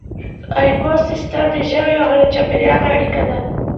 ایکوسیسټم د ژویو او چاپیریال اړیکه ده